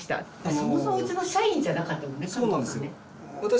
そもそもうちの社員じゃなかったもんね金子さんね。